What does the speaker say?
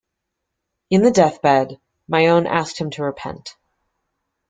In the death-bed Mayon asked him to repent.